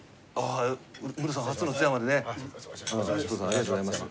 ありがとうございます。